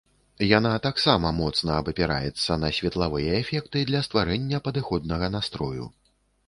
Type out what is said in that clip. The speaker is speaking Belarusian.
Яна таксама моцна абапіраецца на светлавыя эфекты для стварэння падыходнага настрою.